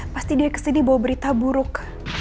pasti dia kesedi bahwa berita buruk